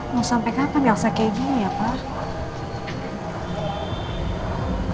mau sampai kapan elsa kayak gini ya pak